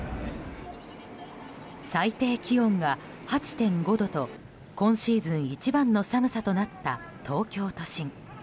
最低気温が８．５度と今シーズン一番の寒さとなった東京都心。